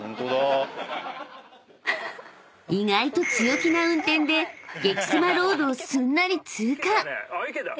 ［意外と強気な運転でゲキ狭ロードをすんなり通過］